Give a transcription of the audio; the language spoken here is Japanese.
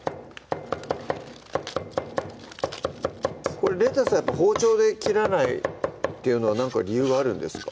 これレタスはやっぱ包丁で切らないっていうのは何か理由があるんですか？